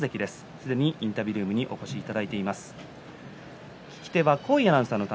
すでにインタビュールームにお越しいただいています。